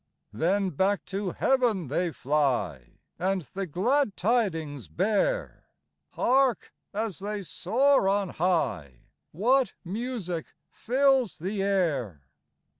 80 Then back to heaven they fly, And the glad tidings bear ; Hark ! as they soar on high, What music fills the air